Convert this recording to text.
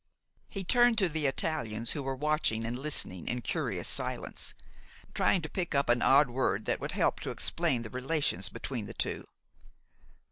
He turned to the Italians, who were watching and listening in curious silence, trying to pick up an odd word that would help to explain the relations between the two.